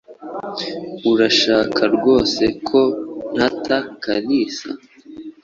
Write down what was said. Urashaka rwose ko ntata Kalisa?